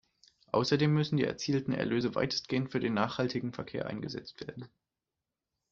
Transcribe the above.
Außerdem müssen die erzielten Erlöse weitestgehend für den nachhaltigen Verkehr eingesetzt werden.